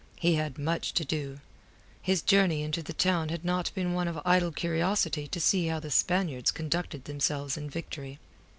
He had much to do. His journey into the town had not been one of idle curiosity to see how the Spaniards conducted themselves in victory.